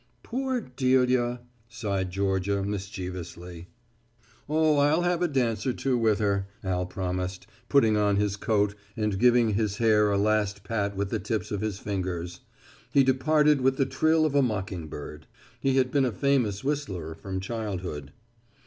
"Poor Delia," sighed Georgia, mischievously. "Oh, I'll have a dance or two with her," Al promised, putting on his coat and giving his hair a last pat with the tips of his fingers. He departed with the trill of a mocking bird. He had been a famous whistler from childhood.